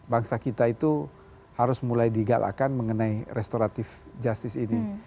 bangsa kita itu harus mulai digalakan mengenai restoratif justice ini